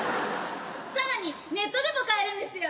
更にネットでも買えるんですよ。